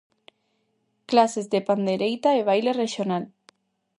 Clases de pandeireta e baile rexional.